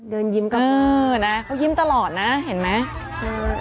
เดินยิ้มกับเออนะเขายิ้มตลอดนะเห็นไหม